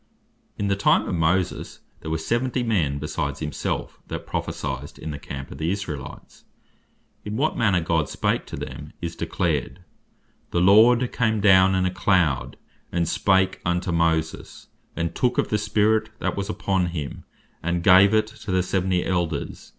In the time of Moses, there were seventy men besides himself, that Prophecyed in the Campe of the Israelites. In what manner God spake to them, is declared in the 11 of Numbers, verse 25. "The Lord came down in a cloud, and spake unto Moses, and took of the Spirit that was upon him, and gave it to the seventy Elders.